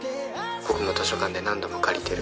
☎僕も図書館で何度も借りてる